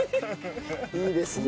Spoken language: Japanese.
いいですねえ。